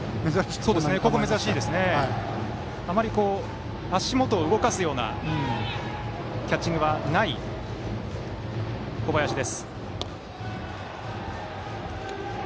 あまり足元を動かすようなキャッチングはない小林です。